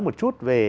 một chút về